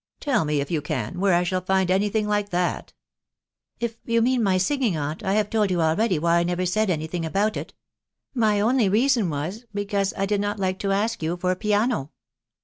... Tell me, if you cat, where 1 shall find any thing like that ?"" If you mean my singing, aunt, I have told you ahsady why I never said any thing about it. •.• My only reason wa% because I (lid not like to ask you for a piano."